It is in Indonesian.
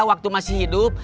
waktu masih hidup